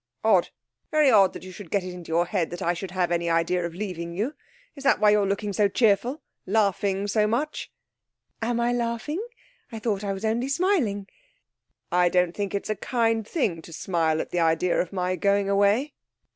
'Odd. Very odd you should get it into your head that I should have any idea of leaving you. Is that why you're looking so cheerful laughing so much?' 'Am I laughing? I thought I was only smiling.' 'I don't think it's a kind thing to smile at the idea of my going away.